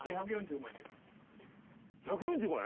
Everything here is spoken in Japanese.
１４５円？